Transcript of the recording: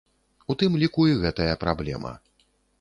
У тым ліку і гэтая праблема.